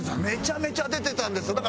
めちゃめちゃ出てたんです。